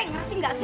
ngerti gak sih